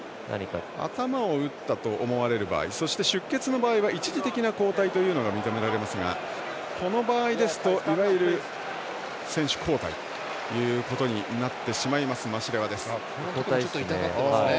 頭を打ったと思われる場合そして出血の場合は一時的な交代は認められますがこの場合ですといわゆる選手交代ということに交代ですね。